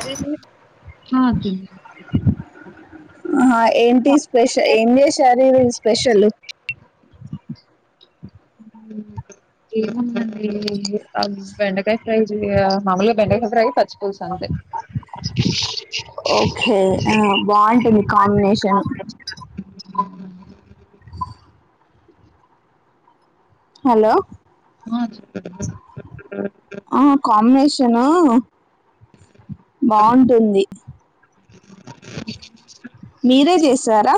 అరే ఆ తిన్నాను ఆ ఏంటి స్పెష ఏం చేశారు ఈ రో స్పెషలు ఏముందండి ఆ బెండకాయ ఫ్రై చేయ మామూలుగా బెండకాయ ఫ్రై పచ్చిపులుసు అంతే ఓకే ఆ బావుంటుంది కాంబినేషను ఆ హలో ఆ చెప్పు తనూ బాగుంటుంది మీరే చేస్ సరా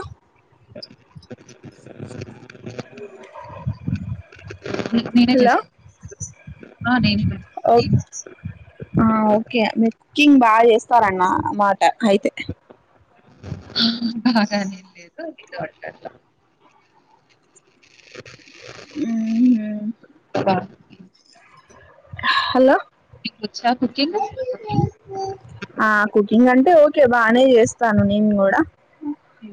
నే నేనే హలో చేశాను ఆ నేనే చేశాను ఓ ఆ ఒకే మీరు కుకింగ్ బా చేస్ తరాయన మా అ అయితే కానీ లేదు ఏదో అట్టట్ట ఆ హలో మీకొచ్చా కుకింగ్ ఆ కుకింగ్ అంటే ఓ ఓకే బానే చేస్తాను నేను గూడా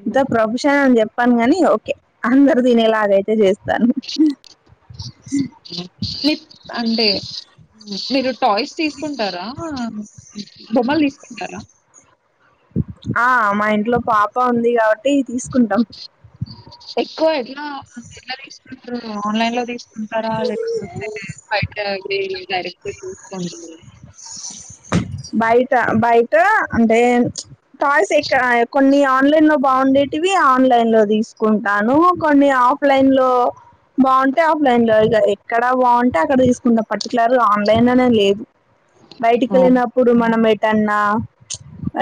అంత ప్రోబిషన్ అని చెప్ చెప్పను గాని ఓకే అందరు దినే లాగయితే చేస్తాను షిప్ అంటే మీరు టాయ్స్ తీసుకుంటారా బొమ్మలు తీసుకుంటారా ఆ మా ఇంట్లో పాప ఉంది కాబ తెయ్ తీసుకుంటాం ఆ అంటే ఎట్ల తీసుకుంట్రు ఆన్లైన్ లో తీస్ ఉంటరా లేకపోతే బైట ది డైరెక్ట్ తీసుకుంటారా బయట బయట అంటే టాయ్స్ ఎక్కడ కొన్ని ఆన్ ఆన్లైన్ లో బాగుండేటివి ఆన్లైన్ లో తీసుకుంటాను కొన్ని ఆఫ్లైన్ లో బాగుంటే ఆఫ్లైన్ లో ఇగ ఎక్కడ బాగుంటే అక్కడ తీసుకుంటా పర్టికులర్ ఆన్లైన్ అనే లేదు బయటి కెళ్ళిన ఇపుడు మనం ఎటన్నా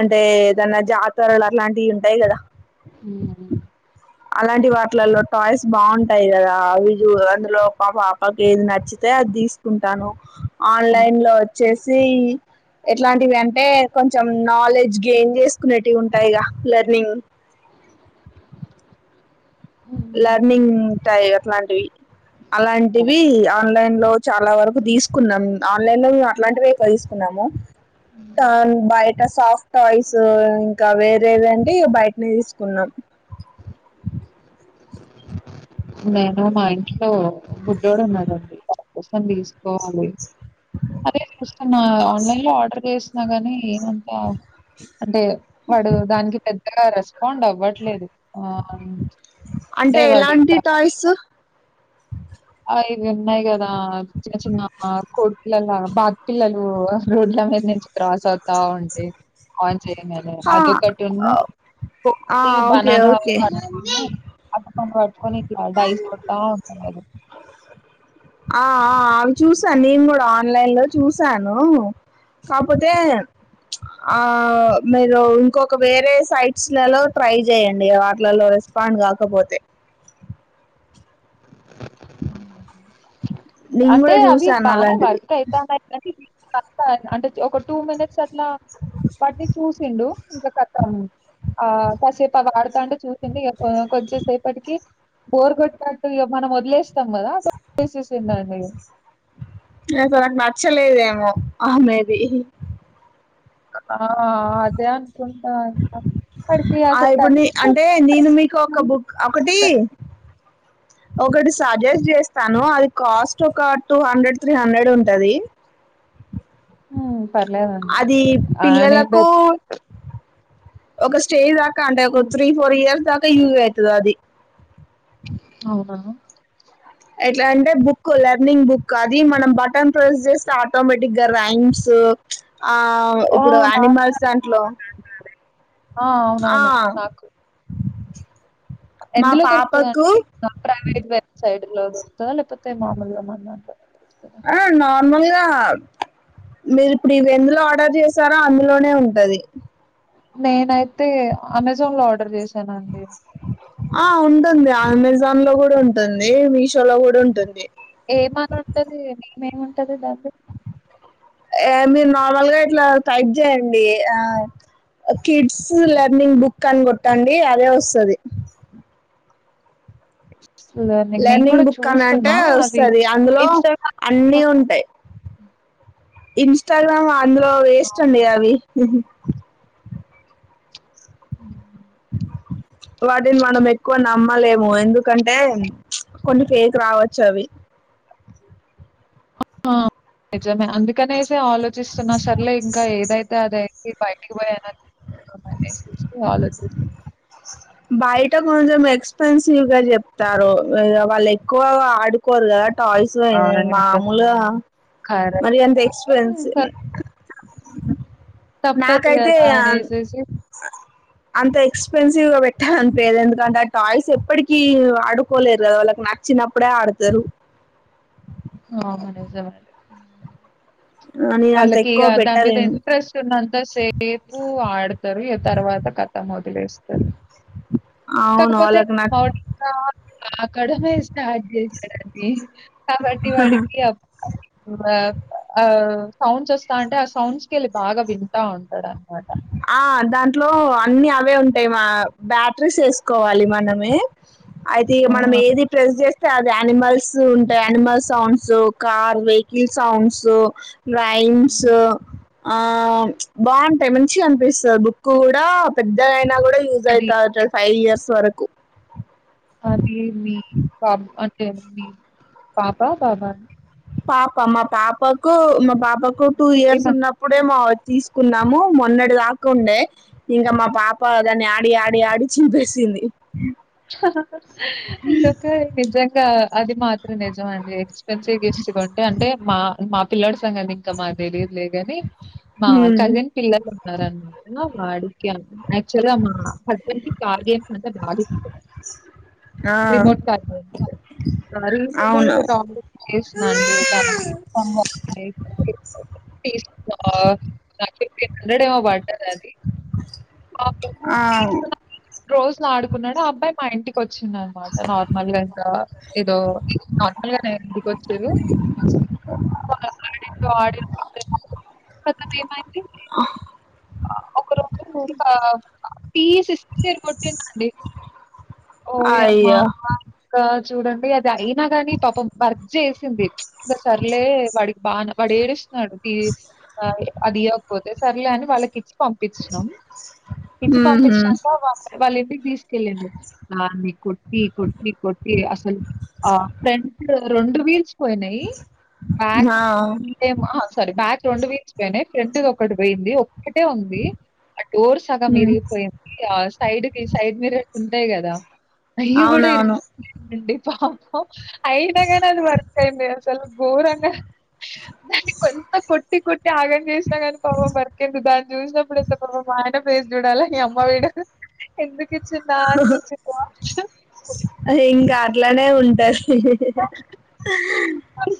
అంటే ఏదన్నా జాతరలు అలాంటివి ఉంటాయి కదా ఉమ్. అలాంటి వాటిలలో టాయ్స్ బాగుంటాయి కదా అవి అందులో పాప పాపకి ఏది నచ్చితే అది తీసుకుంటాను ఆన్లైన్ లో వచ్చేసి ది ఎట్లాంటివి అంటే కొంచెం నాలెడ్జ్ గెయిన్ చేసుకునేటివి ఉంటాయిగా లెర్నింగ్ లర్నింగ్ టాయి అట్లాంటివి అలాంటివి ఆన్లైన్ లో చాలా వరకు తీసుకున్నాం ఆన్లైన్ లో మేము అట్లాంటివే తీసుకున్నాము బయట సాఫ్ట్ టాయిస్ ఇంకా వేరే ఏదండీ బయట నేయి తీస్ కున్నాం నేను మా ఇంట్లో బుడ్డోడు ఉన్నాడండి, వాడి కోసం తీసుకోవాలి, అదే చూస్తున్న ఆన్లైన్ లో ఆర్డర్ చేసిన గాని. ఏమంతా అంటే వాడు దానికి పెద్ డా రస్ పాండ్ అవ్వట్లేదు హ్ అంటే వాడ్ ఇంక స్ ఐద్ ఉన్నయి గదా చిన్న చిన్న కోడ్ పిల్లల లాగ బాక్ పిల్లలు రోడ్ల మీద నుంచ్ క్రాస్ అవుతా ఉంటే ఆన్ చేయని అని, అదొకటిను ఆ కోతి ఓకే బనానా ఓకే పట్టుకొని అరటి పన్ పట్. కొని బైస్ వస్తా ఉంటుందిది ఆ అవి చూసాను నేను కూడా ఆన్లైన్ లో చూసాను కాపోతే ఆ మీరు ఇంకొక వేరే సైట్స్లలో ట్రై చేయడి వాటిలలో రెస్పాండ్ కాకపోతే నేను అంటే కూడా అవి చూసాను బానే అలాంటివి వర్క్ అయితాన్నాయినీ అంటే ఒక టూ మినిట్ అట్లా వాటిని చూసిండు ఇంకా ఖతం ఆ కాసేపు ఆ వాడతాంటే చూసింది ఇ కొంచంసేపటికి బోర్ కొట్టినట్టు మనం వదిలేస్తాం కదా అ వదిలేసింది అండి అ తనకు నచ్చలేదేమో ఆమెది ఆ అదే అణు ఆ ఇప్పుడు అంటే నేను మీకు ఒక బుక్ ఒకటి ఒకటి సజెస్ట్ చేస్తాను అది కాస్ట్ ఒక టూ హండ్రెడ్ త్రీ హండ్రెడ్ ఉంటది హ్మ్ పర్లేదండి అది ఆ నేను బె పిల్లలకు ఒక స్టేజ్ రా కంటే త్రీ ఫోర్ ఇయర్స్క యూస్ యవుతుద అది అవునా ఎట్లా అంటే బుక్ లెర్నింగ్ బుక్ అది మనం బటన్ ప్రెస్ చేస్తే ఆటోమేటిక్గా యామ్స్ ఆ ఓ ఇప్పుడు నాకు అనిమల్స్ దాంట్లో ఆ ఆ అవునవును నాకు మా ఎందులో పాపకు దొరుకుతుందిండి ప్రైవేట్ వెబ్సైట్ [unintelligible] లేకపోతే మామలుగా ఏమన్నా ఆ నర్మల్ గా మీరు ఇప్పుడు ఇవి ఎందులో ఆర్డర్ చేసారో అందులోనే ఉంటది. నేనైతే అమెజాన్ లో ఆర్డర్ చేసా స్నా నండి ఆ ఉంటుంది అమెజాన్ లో కూడా ఉంటుంది మీషో లో కూడా ఉంటుంది ఏమని ఉంటది మేమేమింటది దాద మీరు నార్మల్గా ఇట్లా టైప్ చేయండి ఆ కిడ్స్ లెర్నింగ్ బుక్ అని కొట్టండి అదే వస్తుంది అసలు నే నేను లెర్నింగ్ గూడా బుక్ అని అంటే చూస్తున్నా అది వస్తుంది అందులో అన్ని ఇన్‌స్టాగ్రామ్‌లో ఉంటాయి ఇన్స్టాగ్రామ్ అందులో వేస్ట్ అండి అవి ఉ వాటిని మనం ఎక్కువ నమ్మలేము ఎందుకంటే కొన్ని ఫేక్ రావచ్చు అవి అందుకని ఆలోచిస్తున్నా సర్లే ఇంకా ఏదైతే అదియితే బయ ఇకపాయి అనాధు [inaudible] అలోచిస్ బయట కొంచెం ఎక్స్పెన్సివ్ గా చెప్తారు వాళ్ళు ఎక్కువ ఆడుకోరు కదట్ టాయ్స్ అయింది అవునండి. మామూలు మరి ఎంత కరెక్టే. ఎక్స్పెన్స్వ్ ఇంకా తప్పదు నాకైతే గదా! అనేసేసి అంత ఎక్స్పెన్సివ్ గా పెట్టాలనిపదు ఎందుకంటే ఆ టాయ్స్ ఎప్పటికిీ ఆడుకోలేరు కదా వాళ్ళకి నచ్చినప్పుడే ఆడతారు ఆ మన స మరి నేను అంత వాళ్ళకి ఎక్కువ ఇక దాని మీద పెట్టలేను ఇంట్రెస్ట్ ఉన్నంతా సేపు ఆడతారు తర్వాత కథ వదిలేస్తారు అవును కాకపోతే వాళ్ళకి నాకు మౌనింగ్ అ కడమే స్టార్ట్ చేశాడుడి కాబట్టి వాడికి అబ్బ ఆ సాౌండ్స్ వాస్ అంటే ఆ సౌంస్కి వెళ్ బాగా వి ఉంటాడున ఆ దాని ఇంట్ లో అన్ని అవే ఉంటాయి మా బ్యాటరీస్ వేసుకోవాలి మనమే. అయితే ఇ ఆ! మనం ఏది ప్రెస్ చేస్త. అది అనిమల్స్ ఉంటాయి animal sounds car vehicle sounds. Rhymes హ్మ్. ఆ బాగుంట. టై నుంచి కనిపిస్తు బుక్ కూడా పెద్దగాయినా కూడా యజస్ అది అవుతే అ ఫై స్వరకు అది మీ బబ [inaudible] ది పాపా పాపా పాప మా పాపాకు మా పాప నాకు టూ ఇయర్స్ ఏమ ఉన్నప్పుడే మావచ్చు తీసుకున్నాము మొన్నటి దాకు ఉండే ఇంకా మా పాప దాన్ని ఆడి ఆడి ఆడి చంపే ఇదొక నిజంగా అది మాత్రం నిజమండీ న్ గిస్ట్గా కొంటే అంటే మా మా పిల్ల సంగం ఇంకా మా తెలియదులేగాని మా హ్మ్. కజిన్ పిల్లలు ఉన్నారు [unintelligible] వాడికి ఆక్చుల్గా మా హస్బెండ్ కి కాల్ చేసినంక బాధ ఆ రిమోట్ కార్ అవును [unintelligible] తీ నా ఫిఫ్టీ హండ్రెడ్ ఏమో పడ్డది అది ఆ అవును రోజు నాడు న్నాడు ఆ అబ్బాయి మా ఇంటికొచ్చి కోచిండు అన్నమాట నార్మల్ గా ఇంకా ఏదో నార్మల్ గానే ఇంటికి ఒచ్చిరూ [inaudible] ఏమైంది ఒక రోజు పా పి సిక్స్టిందండి ఓ యమ్మ అయ్యో చూడండి అది అయినా గాని పాపం వర్క్ చేసింది ఇంకా సర్లే వాడికి బానే వాడు ఏడుస్ డు ఆ అది ఈయ్యక పోతే సర్లే అని వాళ్ళకి ఇచ్చా పంపించినం ఇచ్చి ఉహు పంపించినాక వా వాళ్ళ తీస్ [unintelligible] వాన్నీ కొట్టి కొట్టి కొట్టి అసలు ఆ ఫ్రెంట్ లో రెండు వీల్స్ పోయినయి బ్యాక్ ఆ [inaudible] సారీ బ్యాక్ రెండు వీల్స్ పోయినయి ఫ్రంట్ ది ఒకటి పోయింది ఒక్ ఒక్కటే ఉంది ఆ డోర్ సగం ఉమ్ ఇరిగిపోయింది ఆ సైడ్ ఈ సైడ్ మిర్రర్స్ ఉంటయి కదా అయ్యి కూడా అవునవును విరిగిపోయినయి అండి పాపం అయినగాని అది వర్క్ అయింది అసలు గోరంగా దానికంత కొట్టి కొట్ ఆగం చేస్ పాపం వర్క్ అయింది దాని చూసినప్పుడు ఐతే పాపం [unintelligible] ఫేస్ చూడాలా నీ యమ్మా వీడు ఎందుకిన్ [unintelligible] అనిపించింది అ ఇ అట్లనే ఉంటంది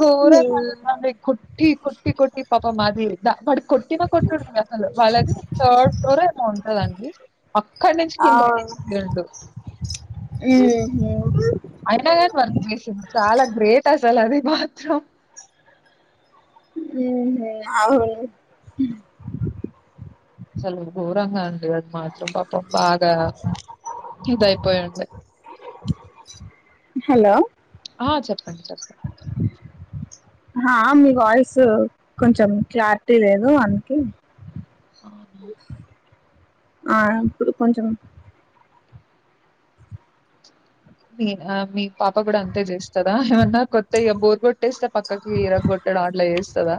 గోర కుట్టి కుట్టి కుట్టి ప పామ్ మది ద వాటి కొట్టిన కొట్టుడు అసలు వాళ్ళది థర్డ్ ఫ్లోర్ అమ ఉంటందండి అక్కడి నుంచి అవును కిందండు ఉహు అయినా కానీ వర్క్ చేసింది చాలా గ్రేట్ అసలు అది బాత్రరూమ్ అవు అసలు గోరంగ అండి మాత్రం పాపం బాగా ఇదయిపోయింది హలో ఆ చెప్పండి చెప్పండి హా మీ వాయిస్ కొంచెం క్లారిటీ లేదు అనకి. ఆవున్ ఆ ఇప్పుడు కొంచం మీ ఆ మీ పాప కూడా అంతే చేస్తదా ఏమన్నా కొత్త బోర్గొట్ టేస్తే పక్కకి విరగకొట్టడం అట్ల చేస్ తదా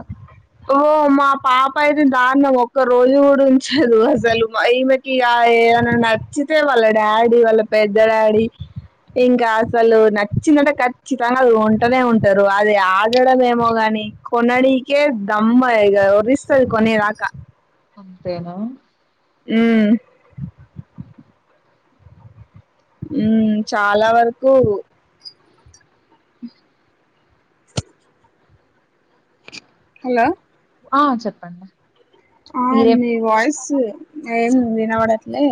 ఓ మా పాప అయితే దారుణం ఒక్క రోజు కూడా ఉంచదు అసలు మై ఈమెకి ఏమైనా నచ్చితే వాళ్ళ డాడీ, వాళ్ళ పెద్ద డాడీ ఇంకా అసలు నచ్చినట్టే ఖచ్చితంగా అది కొంటనే ఉంటారు. అది ఆడడేమో గాని కొననీకే రమ్మ ఇగ ఒర్రిస్క్ అది కొనేదాకా అంతేనా ఉమ్ ఉమ్ చాలా వరకు హలో ఆ చెప్పండి ఆ మీరేం మీ వాయిసు ఏందీ వినపడట్లే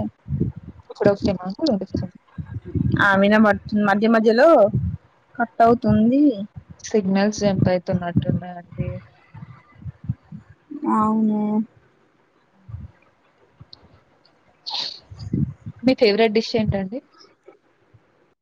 ఇప్పుడు ఓకే నా వినిపిస్తుం ఆ వినబడుతుంద్ మధ్య మధ్యలో కట్ అవుతుంది సిగ్నల్స్ జంప్ అయితున్నట్టున్నాయండి అవునా మీ ఫేవరెట్ డిష్ ఏంటండి